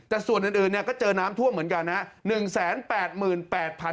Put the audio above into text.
แต่ส่วนอื่นเนี่ยก็เจอน้ำท่วมเหมือนกันนะ